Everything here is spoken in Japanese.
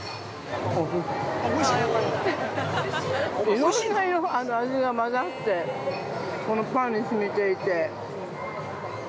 いろんな味が混ざってこのパンにしみていて。